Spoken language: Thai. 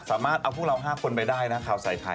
สามารถเอาพวกเรา๕คนไปได้นะข่าวใส่ไข่